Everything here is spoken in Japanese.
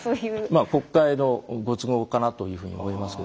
国会のご都合かなというふうに思いますけども。